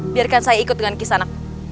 biarkan saya ikut dengan kisana